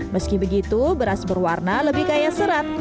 meski begitu beras berwarna lebih kaya serat